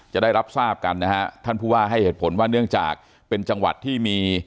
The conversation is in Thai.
ได้รับทราบกันนะฮะท่านผู้ว่าให้เหตุผลว่าเนื่องจากเป็นจังหวัดที่มี